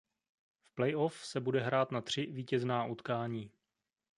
V play off se bude hrát na tři vítězná utkání.